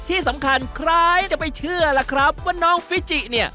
ที่สำคัญใครจะไปเชื่อล่ะครับว่าน้องฟิจิเนี่ย